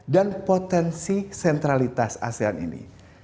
dan potensi sentralitas asean ini